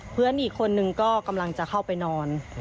เพื่อนอีกคนนึงก็กำลังจะเข้าไปนอน